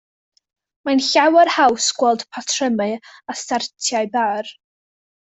Mae'n llawer haws gweld patrymau ar siartiau bar.